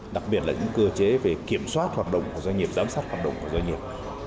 đặc biệt là những cơ chế về kiểm soát hoạt động của doanh nghiệp giám sát hoạt động của doanh nghiệp